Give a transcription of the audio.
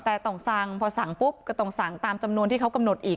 แต่ต้องสั่งพอสั่งปุ๊บก็ต้องสั่งตามจำนวนที่เขากำหนดอีก